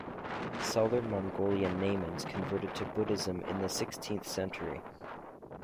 Southern Mongolian Naimans converted to Buddhism in the sixteenth century.